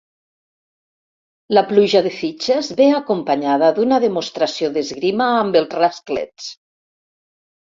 La pluja de fitxes ve acompanyada d'una demostració d'esgrima amb els rasclets.